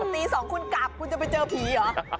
ตี๒คุณกลับคุณจะไปเจอผีเหรอ